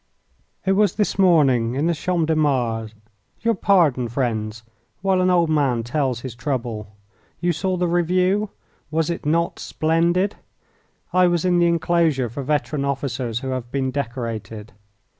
It was this morning in the Champ de Mars. Your pardon, friends, while an old man tells his trouble. You saw the review. Was it not splendid? I was in the enclosure for veteran officers who have been decorated.